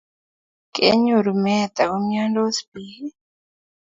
kenyoru meet ago umianso biik